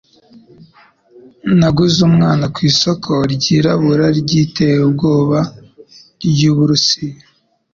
Naguze umwana ku isoko ryirabura ryiterabwoba ryu Burusiya.